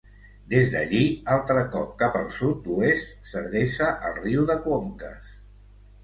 Des d'allí, altre cop cap al sud-oest, s'adreça al riu de Conques.